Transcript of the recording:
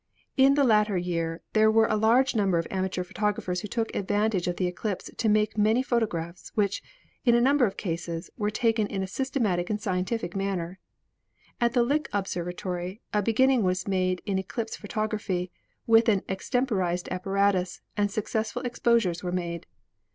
In the latter year there were a large number of amateur photographers who took advantage of the eclipse to make many photographs, which, in a number of cases, were taken in a systematic and scientific manner. At the Lick Observatory a beginning was made in eclipse photog raphy with an extemporized apparatus and successful ex posures were made.